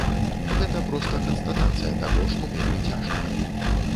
Гэта проста канстатацыя таго, што вельмі цяжка.